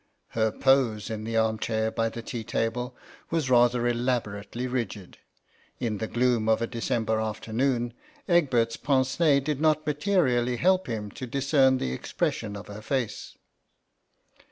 Her pose in the arm chair by the tea table was rather elabor ately rigid ; in the gloom of a December afternoon Egbert's pince nez did not materi ally help him to discern the expression of her face.